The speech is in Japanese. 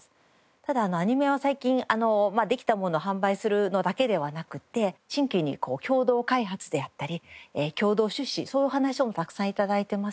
ただアニメは最近できたものを販売するのだけではなくて新規に共同開発であったり共同出資そういう話もたくさん頂いてます。